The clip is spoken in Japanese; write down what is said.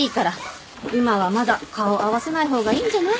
今はまだ顔合わせない方がいいんじゃない？